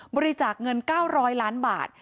บริจาคเงิน๙๐๐ล้านบาท